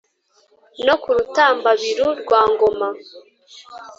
No ku Rutambabiru rwa ngoma